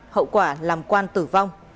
hậu quả làm quan tử vong